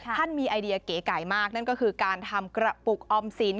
ไอมีไอเดียเก๋ไก่มากนั่นก็คือการทำกระปุกออมสิน